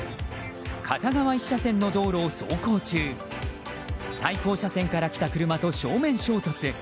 片側１車線の道路を走行中対向車線から来た車と正面衝突。